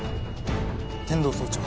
天堂総長。